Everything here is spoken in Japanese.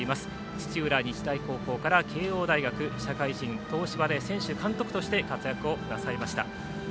土浦日大高校から慶応大学社会人、東芝で選手、監督として活躍をなさいました。